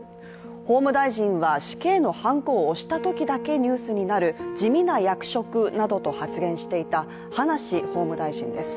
法務大臣は死刑のはんこを押したときだけニュースになる、地味な役職などと発言していた葉梨法務大臣です。